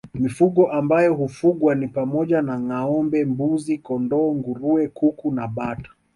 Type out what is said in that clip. Mifugo ambayo hufugwa ni pamoja na ngâombe mbuzi kondoo nguruwe kuku na bata